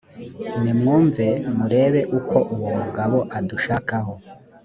nimwumve murebe uko uwo mugabo adushakaho